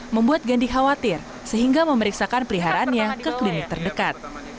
membuat gandhi khawatir sehingga memeriksakan peliharaannya ke klinik terdekat